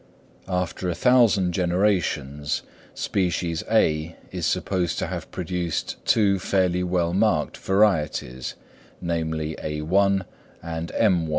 After a thousand generations, species (A) is supposed to have produced two fairly well marked varieties, namely _a_1 and _m_1.